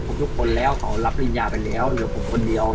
ผมทุกคนแล้วเขารับปริญญาไปแล้วเหลือผมคนเดียว